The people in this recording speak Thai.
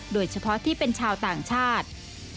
โดยเฉพาะที่เป็นชาวต่างชาติ